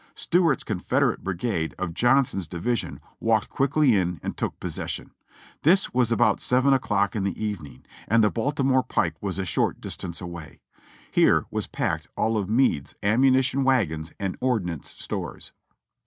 Stewart's (Confederate) brigade, of Johnson's division, walked quickly in and took possession. This was about 7 o'clock in the evening, and the Baltimore pike was a short distance away. Here was packed all of Meade's ammu nition wagons and ordnance stores.